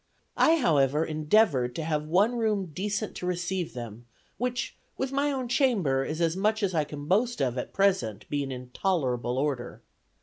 I, however, endeavored to have one room decent to receive them, which, with my own chamber, is as much as I can boast of at present being in tolerable order.